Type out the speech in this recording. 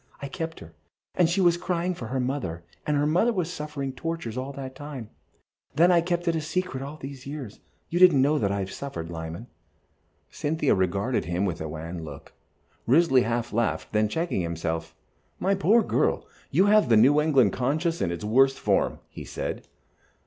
I kept her, and she was crying for her mother, and her mother was suffering tortures all that time. Then I kept it secret all these years. You didn't know what I have suffered, Lyman." Cynthia regarded him with a wan look. Risley half laughed, then checked himself. "My poor girl, you have the New England conscience in its worst form," he said.